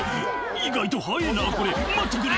「意外と速えぇなこれ待ってくれ！」